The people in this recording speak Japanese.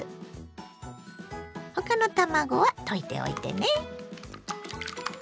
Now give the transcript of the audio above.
他の卵は溶いておいてね。